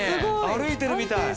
歩いてるみたい。